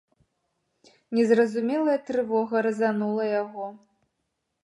Незразумелая трывога разанула яго.